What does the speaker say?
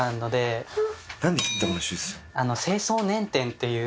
っていう。